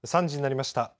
３時になりました。